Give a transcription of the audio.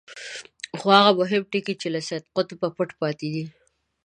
خو هغه مهم ټکی چې له سید قطب پټ پاتې دی.